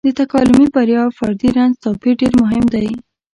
د تکاملي بریا او فردي رنځ توپير ډېر مهم دی.